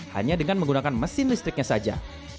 hanya dengan menggunakan mesin listriknya saja